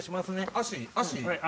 足足。